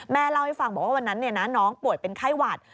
เล่าให้ฟังบอกว่าวันนั้นน้องป่วยเป็นไข้หวัด